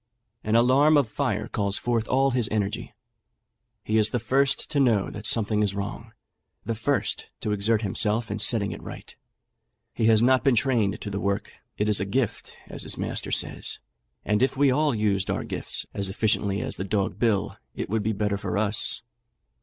An alarm of fire calls forth all his energy. He is the first to know that something is wrong the first to exert himself in setting it right. He has not been trained to the work 'it is a gift,' as his master says; and if we all used our gifts as efficiently as the dog Bill, it would be the better for us.